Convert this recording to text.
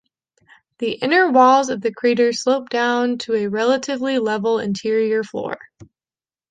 The inner walls of the crater slope down to a relatively level interior floor.